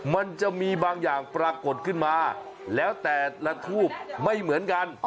มันจะมีบางอย่างปรากฏขึ้นมาแล้วแต่ละทูบไม่เหมือนกัน